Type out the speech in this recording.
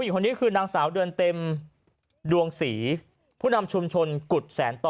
หลังสาวเดือนเต็มดวงศรีผู้นำชุมชนกุดแสนต่อ